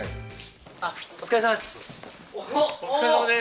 あっ、お疲れさまです。